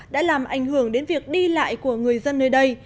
đã làm ảnh hưởng đến việc đi lại của người dân nơi đây